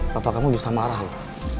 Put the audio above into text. bapak kamu bisa marah loh